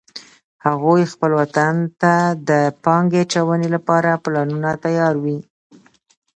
هغوی خپل وطن ته د پانګې اچونې لپاره پلانونه تیار وی